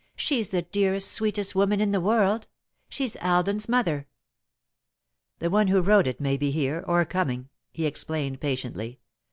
"She's the dearest, sweetest woman in the world. She's Alden's mother." "The one who wrote it may be here, or coming," he explained, patiently.